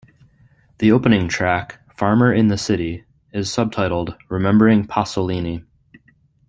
The opening track, "Farmer in the City", is subtitled "Remembering Pasolini".